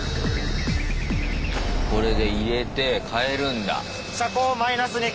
これで入れて変えるんだ。